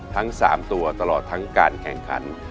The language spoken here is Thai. ทั้ง๓ตัวตลอดทั้งการแข่งขัน